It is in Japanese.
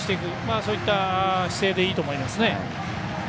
そういった姿勢でいいと思います。